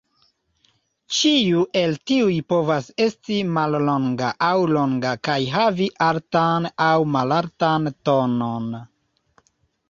Ĉiu el tiuj povas esti mallonga aŭ longa kaj havi altan aŭ malaltan tonon.